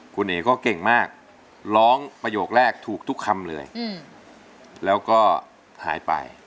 คุณเอ๋ก็เก่งมากร้องประโยคแรกถูกทุกคำเลยแล้วก็หายไป